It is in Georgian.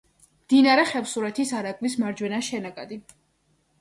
მდინარე ხევსურეთის არაგვის მარჯვენა შენაკადი.